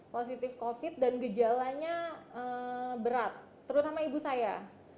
positif covid dan gejalanya berat terutama ibu saya